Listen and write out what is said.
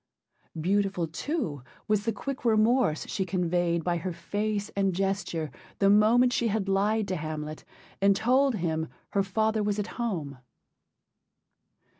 Beautiful, too, was the quick remorse she conveyed by her face and gesture the moment she had lied to Hamlet and told him her father was at home.